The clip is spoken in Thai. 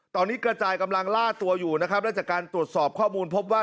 ตอนนี้กระจายล่าตัวอยู่ด้วยการตรวจสอบข้อมูลพบว่า